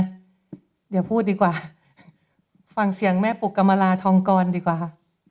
เดี๋ยวพูดดีกว่าฟังเสียงแม่ปุกกรรมราทองกรดีกว่าค่ะ